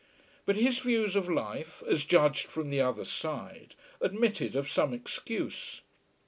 But his views of life, as judged from the other side, admitted of some excuse.